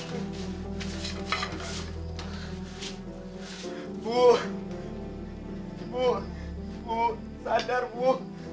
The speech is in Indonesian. ibu sadar ibu